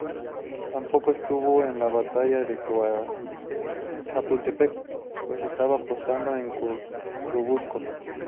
Tampoco estuvo en la Batalla de Chapultepec, pues estaba apostado en Churubusco.